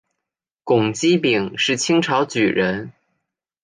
龚积柄是清朝举人。